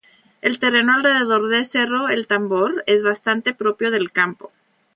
El terreno alrededor de Cerro El Tambor es bastante propio del campo.